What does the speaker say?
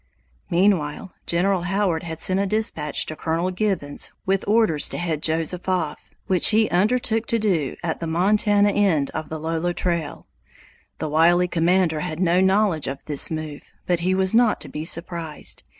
Meanwhile General Howard had sent a dispatch to Colonel Gibbons, with orders to head Joseph off, which he undertook to do at the Montana end of the Lolo Trail. The wily commander had no knowledge of this move, but he was not to be surprised.